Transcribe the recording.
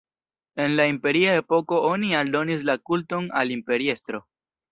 En la imperia epoko oni aldonis la kulton al imperiestro.